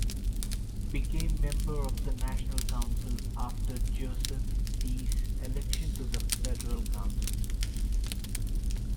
Became member of the National Council after Joseph Deiss' election to the Federal Council.